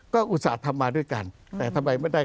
ก็อุตส่าห์ทำมาด้วยกันแต่ทำอะไรไม่ได้